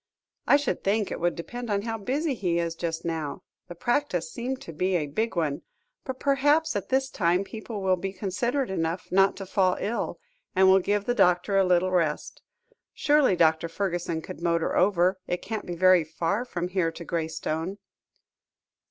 "I should think it would depend on how busy he is just now. The practice seemed to be a big one. But perhaps at this time people will be considerate enough not to fall ill, and will give the doctor a little rest. Surely, Dr. Fergusson could motor over? It can't be very far from here to Graystone."